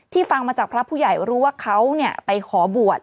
ฟังมาจากพระผู้ใหญ่รู้ว่าเขาไปขอบวช